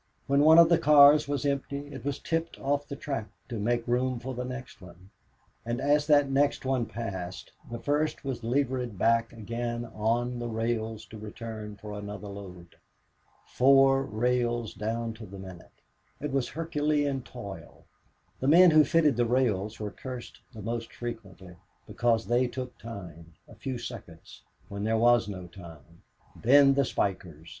When one of the cars was empty it was tipped off the track to make room for the next one. And as that next one passed the first was levered back again on the rails to return for another load. Four rails down to the minute! It was Herculean toil. The men who fitted the rails were cursed the most frequently, because they took time, a few seconds, when there was no time. Then the spikers!